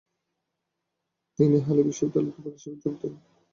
তিনি হালে বিশ্ববিদ্যালয়ে অধ্যাপক হিসেবে যোগ দেন।